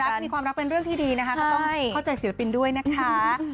ถ้ามีความรักเป็นเรื่องที่ดีนะคะก็ต้องเข้าใจศิลปินด้วยนะคะ